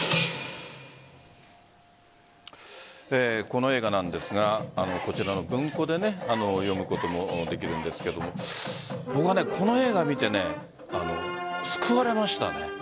この映画なんですがこちらの文庫で読むこともできるんですが僕はこの映画を見て救われました。